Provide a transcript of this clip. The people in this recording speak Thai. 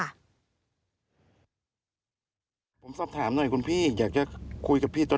อ้าวไม่ตอบอะไรนะคะแค่นี้เลย